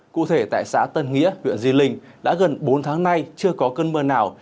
cụ thể tại xã tân nghĩa huyện di linh đã gần bốn tháng nay chưa có cơn mưa nào